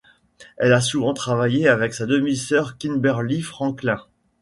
Elle a souvent travaillé avec sa demi-sœur Kimberly Franklin.